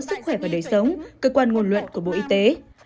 chúc khỏe và đời sống cơ quan nguồn luận của bộ y tế